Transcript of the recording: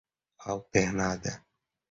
alternada